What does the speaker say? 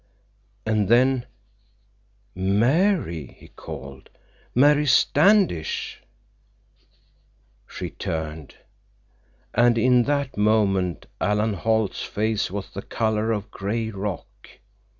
And then: "Mary!" he called. "Mary Standish!" She turned. And in that moment Alan Holt's face was the color of gray rock.